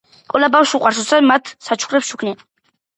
ყველა ბავშვს უყვარს როცა მათ საჩუქრებს ჩუქნიან